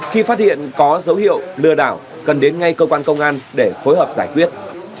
khi phát hiện có dấu hiệu lừa đảo cần đến ngay cơ quan công an để phối hợp giải quyết